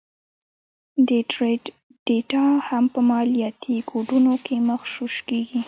د ټرینډ ډېټا هم په مالياتي کوډونو کې مغشوش کېږي